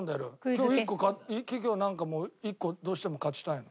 今日１個企業なんか１個どうしても勝ちたいの。